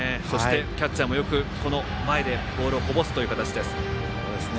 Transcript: キャッチャーもよく前でボールをこぼすという形です。